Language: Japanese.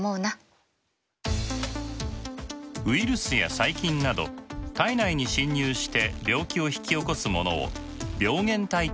ウイルスや細菌など体内に侵入して病気を引き起こすものを病原体といいます。